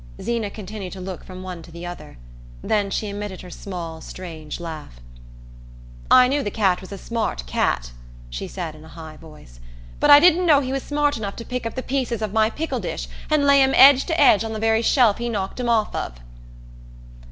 Zeena continued to look from one to the other; then she emitted her small strange laugh. "I knew the cat was a smart cat," she said in a high voice, "but I didn't know he was smart enough to pick up the pieces of my pickle dish and lay 'em edge to edge on the very shelf he knocked 'em off of."